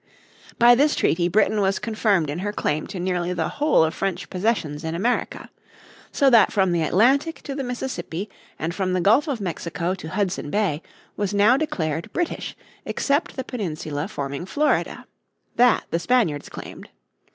By this treaty Britain was confirmed in her claim to nearly the whole of French possessions in America. So that from the Atlantic to the Mississippi and from the Gulf of Mexico to Hudson Bay was now declared British except the peninsula forming Florida. That the Spaniards claimed.